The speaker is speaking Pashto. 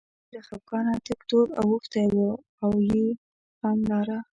رنګ یې له خپګانه تک تور اوښتی و او یې غم لاره.